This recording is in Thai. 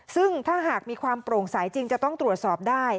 ซึ่งถ้าหากมีความโปร่งใสจริงจะต้องตรวจสอบได้